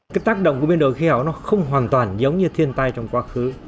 cái tác động của biến đổi khí hậu nó không hoàn toàn giống như thiên tai trong quá khứ